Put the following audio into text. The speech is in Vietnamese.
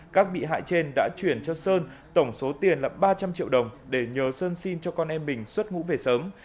các bị hại trên đã chuyển cho sơn tổng số tiền là ba trăm linh triệu đồng để nhờ sơn xin cho con em mình xuất ngũ về sớm